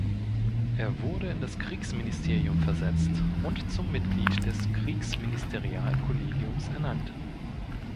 Er wurde in das Kriegsministerium versetzt und zum Mitglied des Kriegsministerial-Kollegiums ernannt.